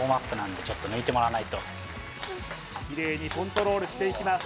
きれいにコントロールしていきます